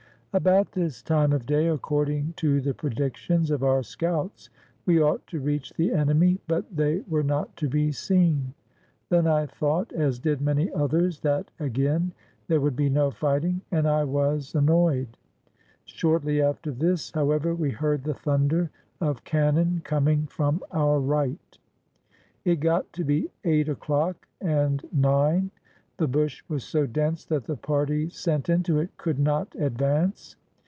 About this time of day. according to the predictions of our scouts, we ought to reach the enemy, but they were not to be seen. Then I thought, as did many others, that again there would be no fighting, and I was annoyed. Shortly after this, however, we heard the thunder of cannon coming from our right. It got to be eight o'clock, and nine. The bush was so dense that the parties sent into it could not advance.